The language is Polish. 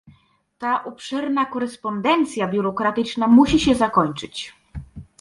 Ta obszerna korespondencja biurokratyczna musi się zakończyć